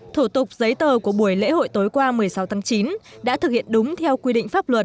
thủ tục giấy tờ của buổi lễ hội tối qua một mươi sáu tháng chín đã thực hiện đúng theo quy định pháp luật